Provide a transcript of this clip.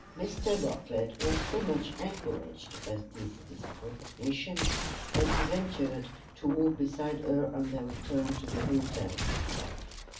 Mr. Bartlett was so much encouraged by this recognition that he ventured to walk beside her on their return to the hotel.